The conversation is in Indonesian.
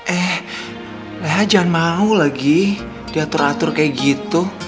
eh leha jangan mau lagi diatur atur kayak gitu